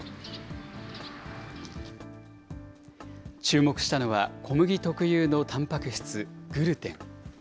注目したのは、小麦特有のたんぱく質、グルテン。